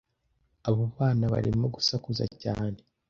Abo bana barimo gusakuza cyane.